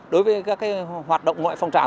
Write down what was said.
đối với các hoạt động ngoại phong trào